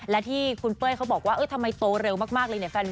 และที่คุณเป้ยเขาบอกว่าทำไมโตเร็วมากเลยเนี่ย